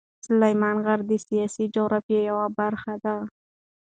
سلیمان غر د سیاسي جغرافیه یوه برخه ده.